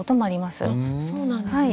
そうなんですね。